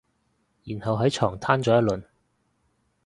然後喺床攤咗一輪